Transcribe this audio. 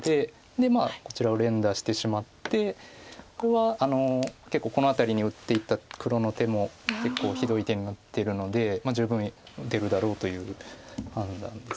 でこちらを連打してしまってこれは結構この辺りに打っていた黒の手も結構ひどい手になってるので十分打てるだろうという判断です。